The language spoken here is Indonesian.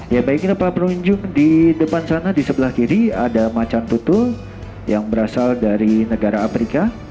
ya baik ini para penunjuk di depan sana di sebelah kiri ada macan tutul yang berasal dari negara afrika